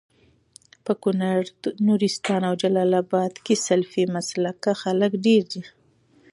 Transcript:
په کونړ، نورستان او جلال اباد کي سلفي مسلکه خلک ډير دي